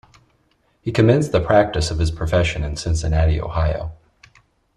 He commenced the practice of his profession in Cincinnati, Ohio.